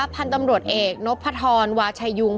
พันธุ์ตำรวจเอกนพธรวาชายุง